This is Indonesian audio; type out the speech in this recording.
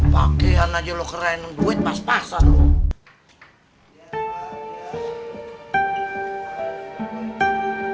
pakaian aja lo keren duit pas pasan